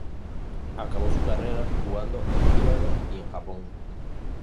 Acabó su carrera jugando en Líbano y en Japón.